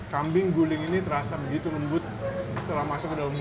kambing guling ini terasa begitu lembut setelah masuk ke dalam gula